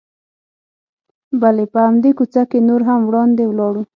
بلې، په همدې کوڅه کې نور هم وړاندې ولاړو.